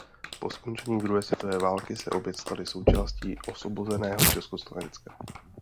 Po skončení druhé světové války se opět staly součástí osvobozeného Československa.